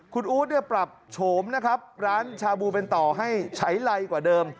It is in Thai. คุณอู๊ดเนี่ยปรับโฉมนะครับร้านชาบูเป็นต่อให้ใช้ไรกว่าเดิม